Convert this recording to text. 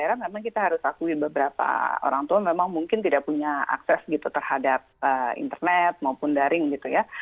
karena memang kita harus akui beberapa orang tua memang mungkin tidak punya akses gitu terhadap internet maupun daring gitu ya